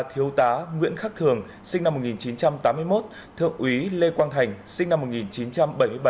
thiếu tá nguyễn khắc thường sinh năm một nghìn chín trăm tám mươi một thượng úy lê quang thành sinh năm một nghìn chín trăm bảy mươi bảy